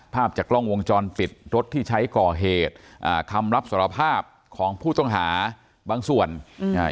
ภาพจากกล้องวงจรปิดรถที่ใช้ก่อเหตุอ่าคำรับสารภาพของผู้ต้องหาบางส่วนอืมอ่า